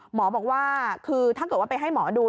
หมอบอกว่าคือถ้าเกิดว่าไปให้หมอดู